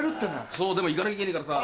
そうでも行かなきゃいけねえからさ。